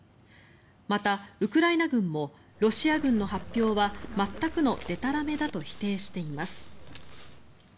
また、ウクライナ軍もロシア軍の発表は全くのでたらめだと否定しています。